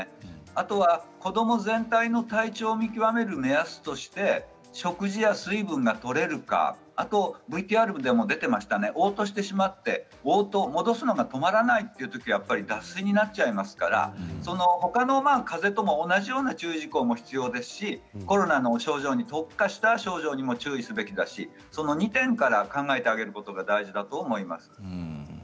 あとは子ども全体の体調を見極める目安として食事や水分がとれるかあと、ＶＴＲでも出ていましたおう吐してしまって戻すのが止まらないときは脱水になっちゃいますからほかのかぜとも同じような注意事項も必要ですしコロナの症状に特化した症状にも注意すべきだしその２点から考えてあげることが大事だと思います。